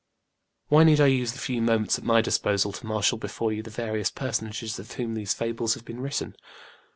Why need I use the few moments at my disposal to marshal before you the various personages of whom these fables have been written?